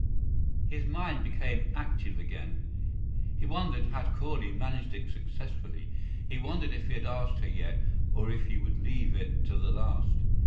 His mind became active again. He wondered had Corley managed it successfully. He wondered if he had asked her yet or if he would leave it to the last.